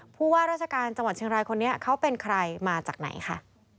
ผู้ว่าราชการจังหวัดเชียงรายคนนี้เขาเป็นใครมาจากไหนค่ะ